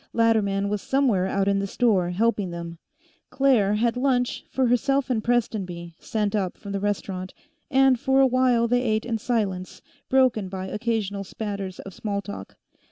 Latterman was somewhere out in the store, helping them; Claire had lunch for herself and Prestonby sent up from the restaurant, and for a while they ate in silence, broken by occasional spatters of small talk.